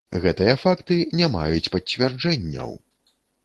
Гэтыя факты не маюць пацвярджэнняў.